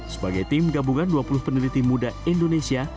sebagai tim gabungan dua puluh peneliti muda indonesia